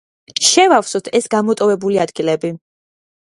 შევავსოთ ეს გამოტოვებული ადგილები.